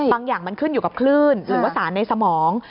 อย่างมันขึ้นอยู่กับคลื่นหรือว่าสารในสมอง